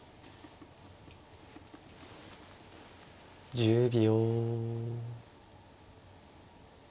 １０秒。